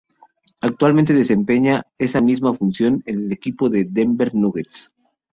Actualmente desempeña esa misma función en el equipo de Denver Nuggets.